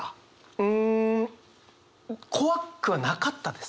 うん怖くはなかったです。